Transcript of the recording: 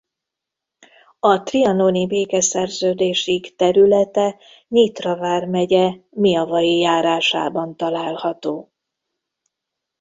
A trianoni békeszerződésig területe Nyitra vármegye Miavai járásában található.